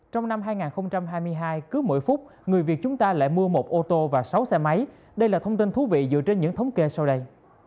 trong năm hai nghìn hai mươi hai cứ mỗi phút người việt chúng ta lại mua một ô tô và sáu xe máy đây là thông tin thú vị dựa trên những thống kê sau đây